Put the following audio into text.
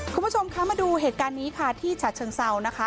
คุณผู้ชมคะมาดูเหตุการณ์นี้ค่ะที่ฉะเชิงเซานะคะ